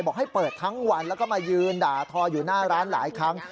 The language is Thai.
บอกให้เปิดทั้งวันแล้วก็มายืนด่าทออยู่หน้าร้านหลายครั้ง